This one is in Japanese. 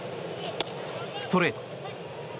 ストレート。